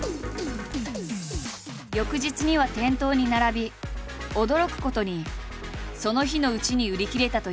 翌日には店頭に並び驚くことにその日のうちに売り切れたという。